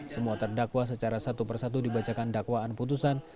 semua terdakwa secara satu persatu dibacakan dakwaan putusan